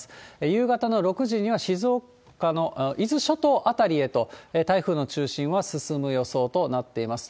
夕方の６時には静岡の伊豆諸島辺りへと、台風の中心は進む予想となっています。